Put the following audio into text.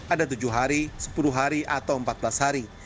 ada tujuh hari sepuluh hari atau empat belas hari